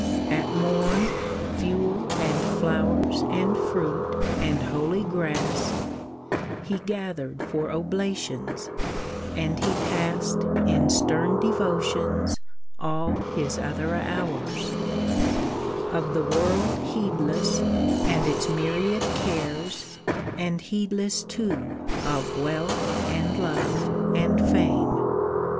At morn, Fuel, and flowers, and fruit, and holy grass, He gathered for oblations; and he passed In stern devotions all his other hours; Of the world heedless, and its myriad cares, And heedless too of wealth, and love, and fame.